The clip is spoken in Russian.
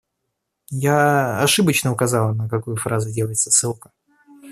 Я ошибочно указал, на какую фразу делается ссылка.